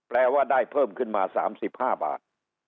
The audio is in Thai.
แปลว่าได้เพิ่มขึ้นมา๓๕บาท